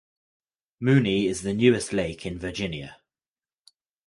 Mooney is the newest lake in Virginia.